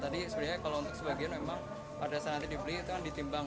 tadi sebenarnya kalau untuk sebagian memang pada saat nanti dibeli itu kan ditimbang